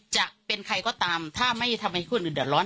จะเป็นใครก็ตามถ้าไม่ทำให้คนอื่นเดือดร้อน